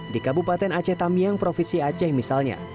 di kabupaten aceh tamiang provinsi aceh misalnya